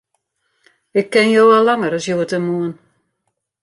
Ik ken jo al langer as hjoed en moarn.